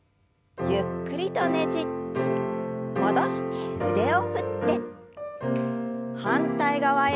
ゆっくりとねじって戻して腕を振って反対側へ。